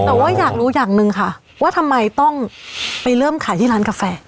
แต่ว่าอยากรู้อย่างหนึ่งค่ะว่าทำไมต้องไปเริ่มขายที่ร้านกาแฟ